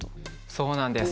そうなんです。